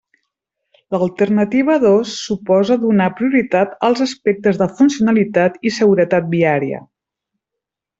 L'alternativa dos suposa donar prioritat als aspectes de funcionalitat i seguretat viària.